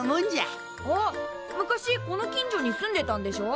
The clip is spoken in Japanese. ああ昔この近所に住んでたんでしょ？